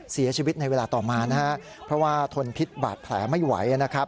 เสียชีวิตในเวลาต่อมาเพราะว่าทนพิษบาดแผลไม่ไหว